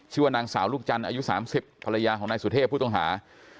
ชื่อว่านางสาวลูกจันทร์อายุ๓๐ภรรยาของนายสุเทพผู้ต้องหา